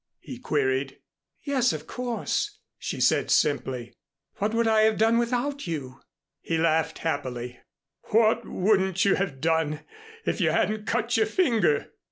he queried. "Yes, of course," she said simply. "What would I have done without you?" He laughed happily, "What wouldn't you have done if you hadn't cut your finger?"